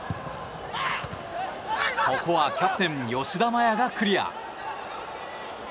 ここはキャプテン吉田麻也がクリア。